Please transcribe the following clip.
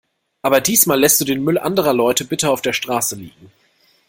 Aber diesmal lässt du den Müll anderer Leute bitte auf der Straße liegen.